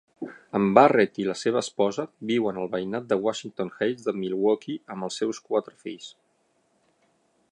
En Barrett i la seva esposa viuen al veïnat de Washington Heights de Milwaukee amb els seus quatre fills.